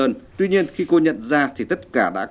nghe anh giải thích đã